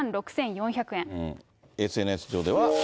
ＳＮＳ上では。